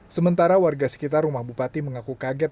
sementara warga sekitar rumah bupati mengaku kaget